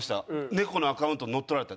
「猫のアカウント乗っ取られた」。